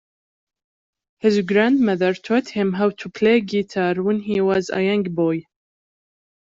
His grandmother taught him how to play guitar when he was a young boy.